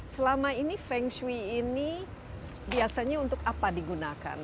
selama ini feng shui ini biasanya untuk apa digunakan